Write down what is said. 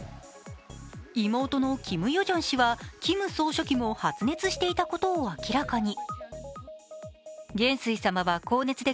妹のキム・ヨジョン氏はキム総書記も発熱していたことを明らかに。